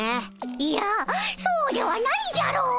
いやそうではないじゃろ！